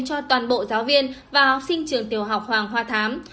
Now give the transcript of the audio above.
cho toàn bộ giáo viên và học sinh trường tiểu học hoàng hoa thám